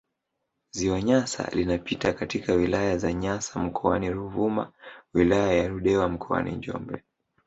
Ziwa Nyasa linapita katika wilaya za Nyasa mkoani Ruvuma wilaya ya Ludewa mkoani Njombe